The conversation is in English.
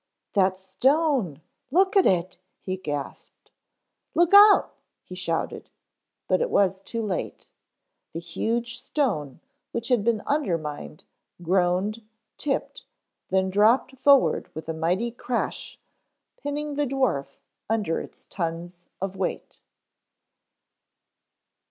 "That stone, look at it," he gasped. "Look out," he shouted. But it was too late. The huge stone which had been undermined groaned, tipped, then dropped forward with a mighty crash, pinning the dwarf under its tons of weight.